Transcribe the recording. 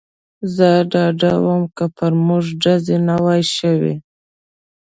زه ډاډه ووم، که پر موږ ډزې نه وای شوې.